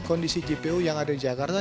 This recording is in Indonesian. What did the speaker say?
kondisi jpo yang ada di jakarta